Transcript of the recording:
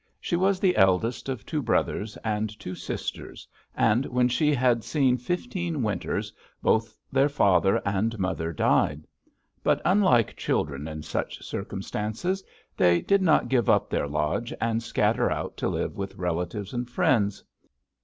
She was the eldest of two brothers and two sisters, and when she had seen fifteen winters both their father and mother died. But unlike children in such circumstances, they did not give up their lodge and scatter out to live with relatives and friends.